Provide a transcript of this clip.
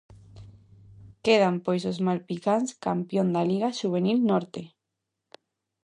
Quedan pois os malpicáns campión da liga xuvenil norte.